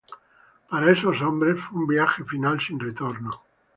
Para esos hombres fue un viaje final sin retorno.